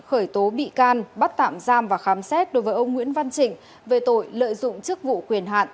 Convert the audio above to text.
khởi tố bị can bắt tạm giam và khám xét đối với ông nguyễn văn trịnh về tội lợi dụng chức vụ quyền hạn